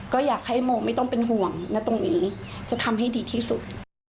ก็อยากให้โมไม่ต้องเป็นห่วงนะตรงนี้จะทำให้ดีที่สุด